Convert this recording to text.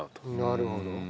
なるほど。